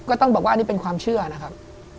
ก็ต้องบอกว่านี่เป็นความเชื่อนะครับ